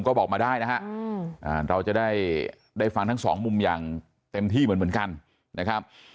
ก็บอกมาได้นะฮะเราจะได้ฟังทั้งสองมุมอย่างเต็มที่เหมือนกันนะครับ